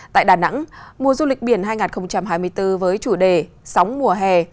tại đà nẵng mùa du lịch biển hai nghìn hai mươi bốn với chủ đề sóng mùa hè